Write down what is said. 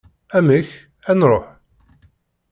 Amek? ad nruḥ?